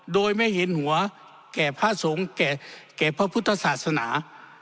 โดยไม่เห็นหัวแก่พระสงฆ์แก่พระพุทธศาสนา